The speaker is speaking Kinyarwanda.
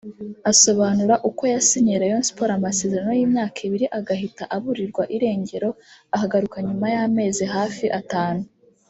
Asobanura uko yasinyiye Rayon Sports amasezerano y’imyaka ibiri agahita aburirwa irengero akagaruka nyuma y’amezi hafi atanu